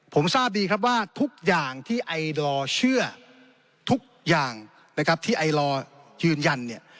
ผมทราบดีครับว่าทุกอย่างที่ไอดอลเชื่อทุกอย่างนะครับที่ไอลอร์ยืนยันเนี่ย